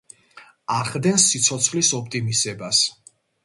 ახდენს სიცოცხლის ოპტიმიზებას.